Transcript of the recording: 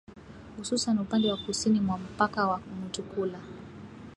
hususan upande wa kusini mwa mpaka wa Mutukula